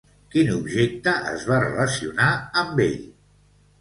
Quin objecte es va relacionar amb ell?